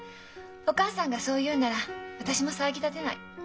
お母さんがそう言うなら私も騒ぎ立てない。